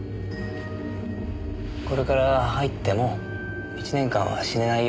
これから入っても１年間は死ねないよ。